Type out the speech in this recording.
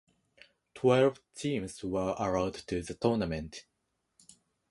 Twelve teams were allowed to the tournament.